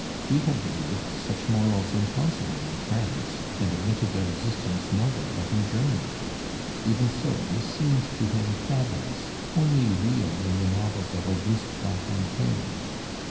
He had believed such morals impossible in France, and admitted their existence nowhere but in Germany; even so, they seemed to him fabulous, only real in the novels of Auguste Lafontaine.